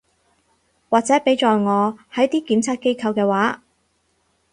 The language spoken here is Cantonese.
或者畀在我係啲檢測機構嘅話